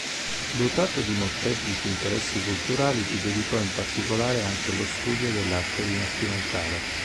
Dotato di molteplici interessi culturali, si dedicò in particolare anche allo studio dell'arte rinascimentale.